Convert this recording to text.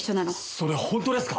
それ本当ですか？